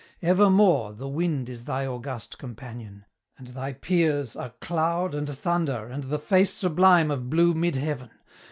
Evermore the wind Is thy august companion; and thy peers Are cloud, and thunder, and the face sublime Of blue mid heaven!